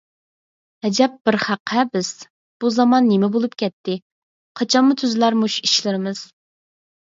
ئەجەب بىر خەق-ھە بىز! بۇ زامان نېمە بولۇپ كەتتى؟ قاچانمۇ تۈزىلەر مۇشۇ ئىشلىرىمىز؟!